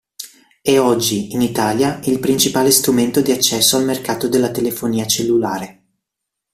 È oggi, in Italia, il principale strumento di accesso al mercato della telefonia cellulare.